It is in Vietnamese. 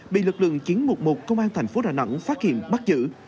bị lực lượng chiến mục một công an tp đà nẵng phát hiện bắt giữ